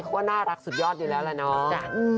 เขาก็น่ารักสุดยอดอยู่แล้วละน้อง